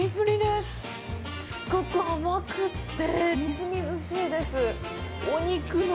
すっごく甘くて、みずみずしいです！